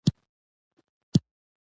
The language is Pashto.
• انسان بې له پوهې نيمګړی دی.